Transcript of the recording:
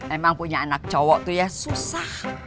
emang punya anak cowok tuh ya susah